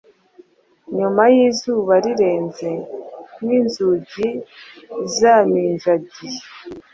Nyuma yizuba rirenze ninzugi zaminjagiye